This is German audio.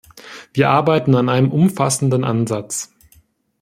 Wir arbeiten an einem umfassenden Ansatz.